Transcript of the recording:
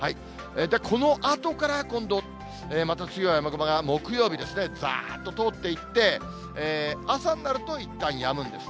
このあとから今度、また強い雨雲が木曜日ですね、ざーっと通っていって、朝になるといったんやむんです。